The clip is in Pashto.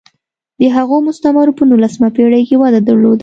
د هغو مستعمرو په نولسمه پېړۍ کې وده درلوده.